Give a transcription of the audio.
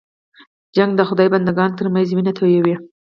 جګړه د خدای بنده ګانو تر منځ وینه تویوي